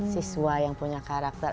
siswa yang punya karakter